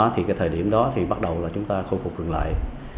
thì cái thời điểm đó thì bắt đầu là chúng ta khôi phục dừng lại